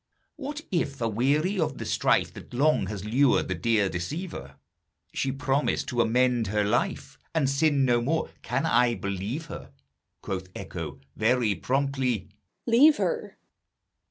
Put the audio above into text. What if, aweary of the strife That long has lured the dear deceiver, She promise to amend her life, And sin no more; can I believe her? Quoth Echo, very promptly, "Leave her!"